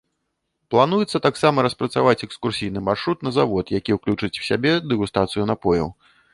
Плануецца таксама распрацаваць экскурсійны маршрут на завод, які ўключыць у сябе дэгустацыю напояў.